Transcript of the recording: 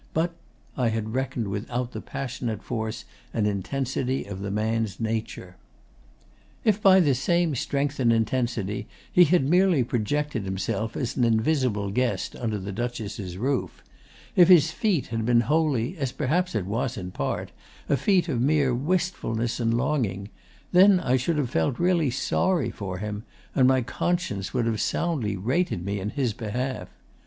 But I had reckoned without the passionate force and intensity of the man's nature. 'If by this same strength and intensity he had merely projected himself as an invisible guest under the Duchess' roof if his feat had been wholly, as perhaps it was in part, a feat of mere wistfulness and longing then I should have felt really sorry for him; and my conscience would have soundly rated me in his behalf.